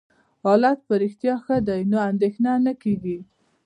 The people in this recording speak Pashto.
حالت په رښتیا ښه دی، نو اندېښنه نه کېږي.